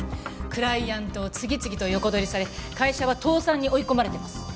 クライアントを次々と横取りされ会社は倒産に追い込まれています。